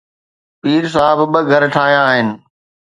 پير صاحب ٻه گهر ٺاهيا آهن.